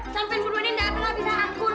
sampai kedua ini enggak ada lagi darah kur